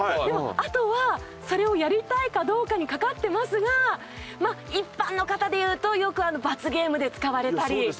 あとはそれをやりたいかどうかにかかってますがまあ一般の方で言うとよく罰ゲームで使われたり。